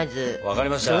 分かりました。